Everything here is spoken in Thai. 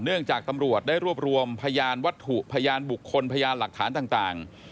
เนื่องจากตำรวจได้รวบรวมพยานวัตถุพยานบุคคลพยานหลักฐานต่าง